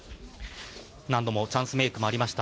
何度もチャンスメイクもありました。